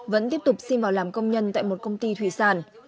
vẫn tiếp tục xin vào làm công nhân tại một công ty thủy sản